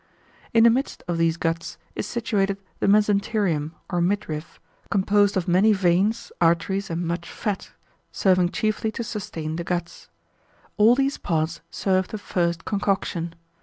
In the midst of these guts is situated the mesenterium or midriff, composed of many veins, arteries, and much fat, serving chiefly to sustain the guts. All these parts serve the first concoction.